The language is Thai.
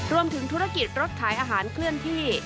รวมถึงธุรกิจรถขายอาหารเคลื่อนที่